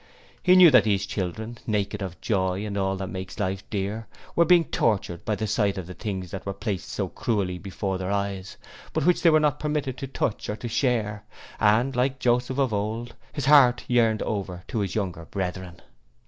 He knew that these children naked of joy and all that makes life dear were being tortured by the sight of the things that were placed so cruelly before their eyes, but which they were not permitted to touch or to share; and, like Joseph of old, his heart yearned over his younger brethren.